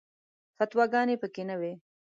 فتواګانې په کې نه وي.